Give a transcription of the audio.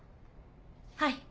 はい。